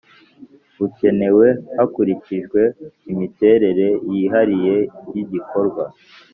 Bukenewe hakurikijwe imiterere yihariye y igikorwa